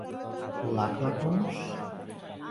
লাখ লাখ মানুষ?